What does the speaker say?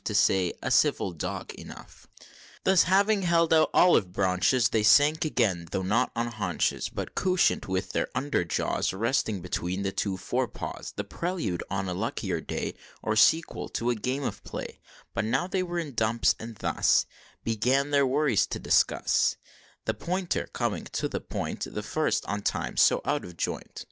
To say, "A civil dog enough." Thus having held out olive branches, They sank again, though not on haunches, But couchant, with their under jaws Resting between the two forepaws, The prelude, on a luckier day, Or sequel, to a game of play: But now they were in dumps, and thus Began their worries to discuss, The Pointer, coming to the point The first, on times so out of joint.